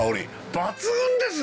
抜群ですね。